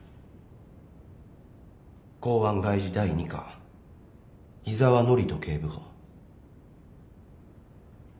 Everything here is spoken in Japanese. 公安外事第二課井沢範人警部補。